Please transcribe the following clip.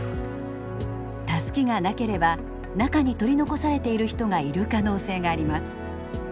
タスキがなければ中に取り残されている人がいる可能性があります。